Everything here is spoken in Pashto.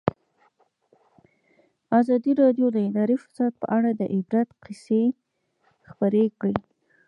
ازادي راډیو د اداري فساد په اړه د عبرت کیسې خبر کړي.